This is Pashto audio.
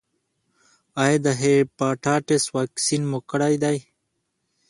ایا د هیپاټایټس واکسین مو کړی دی؟